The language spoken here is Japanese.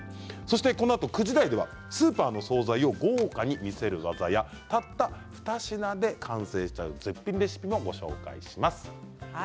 このあと９時台ではスーパーの総菜を豪華に見せる技やたった２品で完成できる絶品レシピをご紹介します。